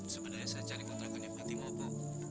sebenarnya saya cari kontrakannya fatima bok